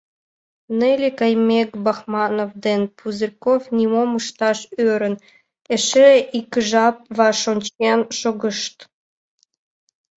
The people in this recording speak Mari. Нелли каймек Бахманов ден Пузырьков, нимом ышташ ӧрын, эше ик жап ваш ончен шогышт.